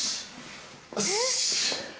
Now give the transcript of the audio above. よし。